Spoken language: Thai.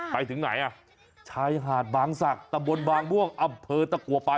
ไปถึงไหนชายหาดบางสั่งตะบนบางม่วงอำเภอตะกวระปา